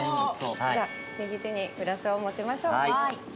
じゃあ右手にグラスを持ちましょう。